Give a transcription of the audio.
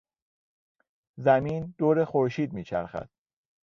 زمین دور خورشید میچرخد.